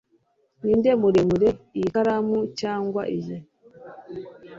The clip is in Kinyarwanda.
ninde muremure, iyi karamu cyangwa iyi